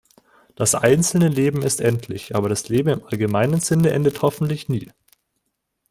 Das einzelne Leben ist endlich, aber das Leben im allgemeinen Sinne endet hoffentlich nie.